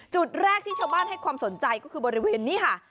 จุดแรกที่ชาวบ้านให้ความสนใจก็คือบริเวณนี้ค่ะ